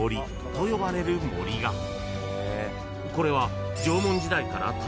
［これは］